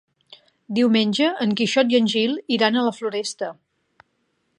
Diumenge en Quixot i en Gil iran a la Floresta.